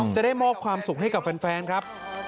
จะได้มอบความสุขให้กับแฟนครับ